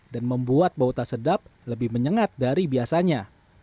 dan membuat bauta sedap lebih menyengat dari biasanya